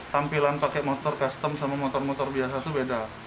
tampilan pakai motor custom sama motor motor biasa itu beda